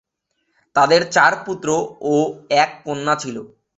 তাদের চার পুত্র ও এক কন্যা ছিল।